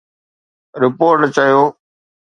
report چيو